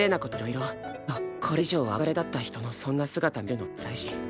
けどこれ以上憧れだった人のそんな姿見るのつらいし。